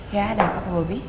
ya ada apa pak bobby